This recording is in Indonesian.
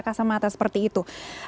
kasamata seperti itu